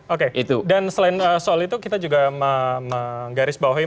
oke dan selain soal itu kita juga menggaris bawahnya